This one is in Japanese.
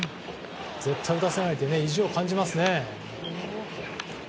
絶対打たせないという意地を感じますね。